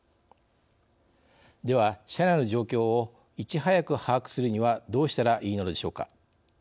では、車内の状況をいち早く把握するにはどうしたらいいのでしょうか。